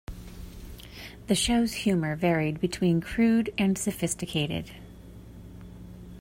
The show's humor varied between crude and sophisticated.